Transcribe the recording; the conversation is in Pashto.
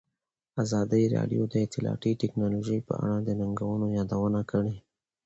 ازادي راډیو د اطلاعاتی تکنالوژي په اړه د ننګونو یادونه کړې.